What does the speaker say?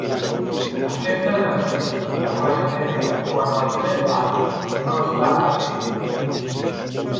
Aquesta energia es regenera quan el jetpack no està actiu.